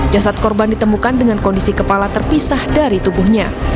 jasad korban ditemukan dengan kondisi kepala terpisah dari tubuhnya